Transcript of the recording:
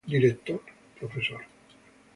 Director: Prof.